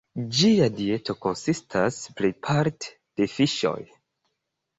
Ĝia dieto konsistas plejparte de fiŝoj.